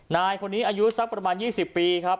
นายคนนี้อายุสักประมาณ๒๐ปีครับ